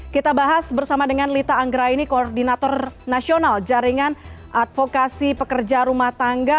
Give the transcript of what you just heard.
kita bahas bersama dengan lita anggra ini koordinator nasional jaringan advokasi pekerja rumah tangga